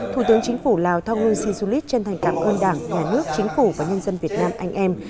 thủ tướng chính phủ lào thang lung sinsulit chân thành cảm ơn đảng nhà nước chính phủ và nhân dân việt nam anh em